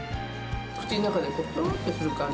口の中でとろーっとする感じ。